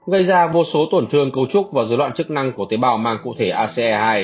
gây ra vô số tổn thương cấu trúc và dối loạn chức năng của tế bào mang cụ thể ace hai